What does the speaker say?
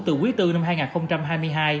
từ quý bốn năm hai nghìn hai mươi hai